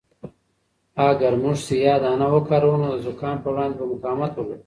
اگر موږ سیاه دانه وکاروو نو د زکام په وړاندې به مقاومت ولرو.